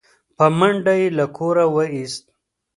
په منډه يې له کوره و ايست